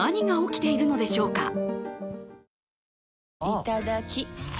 いただきっ！